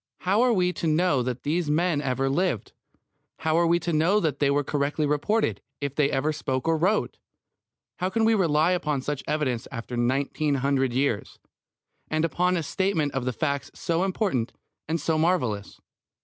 How are we to know that these men ever lived? How are we to know that they were correctly reported, if they ever spoke or wrote? How can we rely upon such evidence after nineteen hundred years, and upon a statement of facts so important and so marvellous?